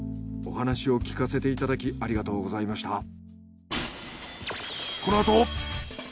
お話を聞かせていただきありがとうございました。